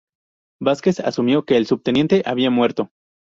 Vázquez asumió que el subteniente había muerto.